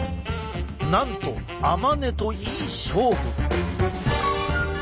なんと甘根といい勝負！